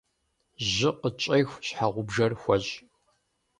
Жьы къытщӏеху, щхьэгъубжэр хуэщӏ.